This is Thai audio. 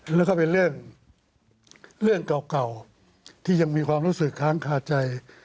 แล้วก็เป็นเรื่องเก่าที่ยังมีความรู้สึกค้างคาใจ